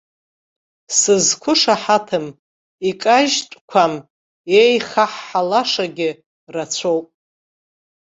Сызқәышаҳаҭым, икажьтәқәам, еихаҳҳалашагьы рацәоуп.